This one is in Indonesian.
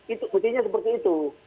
itu artinya seperti itu